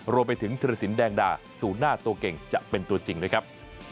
รวมไปถึงธุรสินแดงดาศูนย์หน้าตัวเก่งจะเป็นตัวจริงด้วยครับ